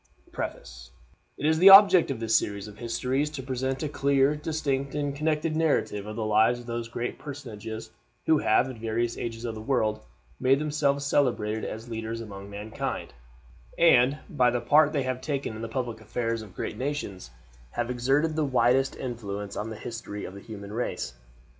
PREFACE. It is the object of this series of histories to present a clear, distinct, and connected narrative of the lives of those great personages who have in various ages of the world made themselves celebrated as leaders among mankind, and, by the part they have taken in the public affairs of great nations, have exerted the widest influence on the history of the human race.